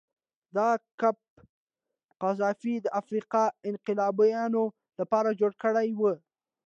دغه کمپ قذافي د افریقایي انقلابینو لپاره جوړ کړی و.